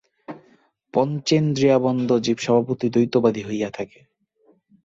পঞ্চেন্দ্রিয়াবন্ধ জীব স্বভাবতই দ্বৈতবাদী হইয়া থাকে।